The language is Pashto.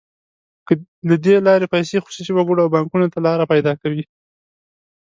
له دې لارې پیسې خصوصي وګړو او بانکونو ته لار پیدا کوي.